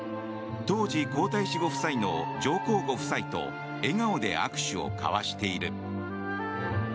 当時皇太子ご夫妻の上皇ご夫妻と笑顔で握手を交わしている。